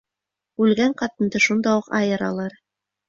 Үлгән ҡатынды шунда уҡ айыралар.